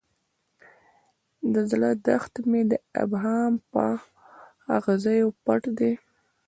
د زړه دښت مې د ابهام په اغزیو پټ دی.